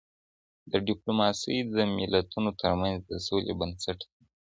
ډيپلوماسي د ملتونو ترمنځ د سولې بنسټ دی.